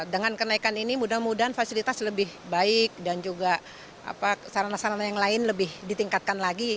dengan kenaikan ini mudah mudahan fasilitas lebih baik dan juga sarana sarana yang lain lebih ditingkatkan lagi